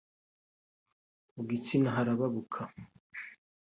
Mu gitsina harababuka